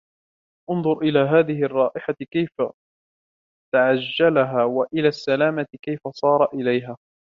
اُنْظُرْ إلَى هَذِهِ الرَّاحَةِ كَيْفَ تَعَجَّلَهَا وَإِلَى السَّلَامَةِ كَيْفَ صَارَ إلَيْهَا